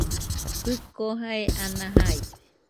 Jiko jae ana jaide.